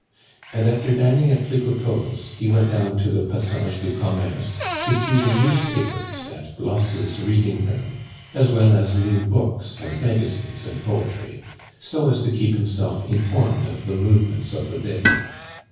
And after dining at Flicoteaux's, he went down to the Passage du Commerce to see the newspapers at Blosse's reading room, as well as new books and magazines and poetry, so as to keep himself informed of the movements of the day.